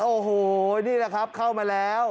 โอ้โหนี่แหละครับเข้ามาแล้ว